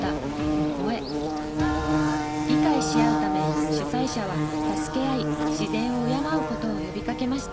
理解し合うため主催者は助け合い自然を敬う事を呼びかけました。